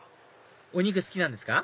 お肉好きなんですか？